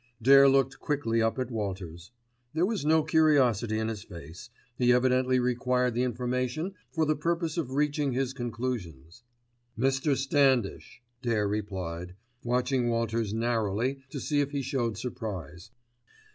Dare looked quickly up at Walters. There was no curiosity in his face, he evidently required the information for the purpose of reaching his conclusions. "Mr. Standish," Dare replied, watching Walters narrowly to see if he showed surprise.